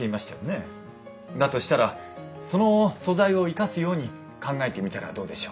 だとしたらその素材を生かすように考えてみたらどうでしょう？